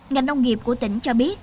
ngành nông nghiệp của tỉnh cho biết